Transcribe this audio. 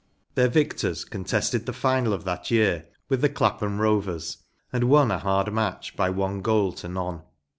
Their victors con¬ tested the final of that year with the Clap ham Rovers, and won a hard match by one goal to none.